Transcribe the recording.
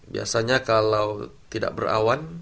biasanya kalau tidak berawan